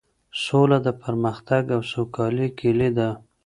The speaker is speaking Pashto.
سوله د پرمختګ او سوکالۍ کيلي ده.